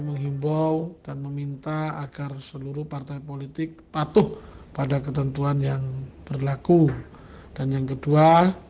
menghimbau dan meminta agar seluruh partai politik patuh pada ketentuan yang berlaku dan yang kedua